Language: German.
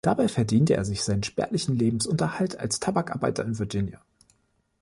Dort verdiente er sich seinen spärlichen Lebensunterhalt als Tabakarbeiter in Virginia.